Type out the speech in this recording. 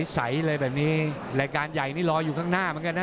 ใสเลยแบบนี้รายการใหญ่นี่รออยู่ข้างหน้าเหมือนกันนะ